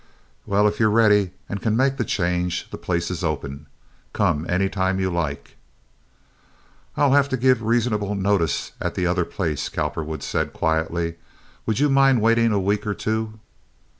"Well, if you're ready and can make the change, the place is open. Come any time you like." "I'll have to give a reasonable notice at the other place," Cowperwood said, quietly. "Would you mind waiting a week or two?"